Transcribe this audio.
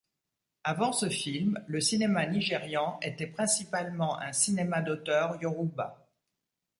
Avant ce film, le cinéma nigérian était principalement un cinéma d'auteur yoruba.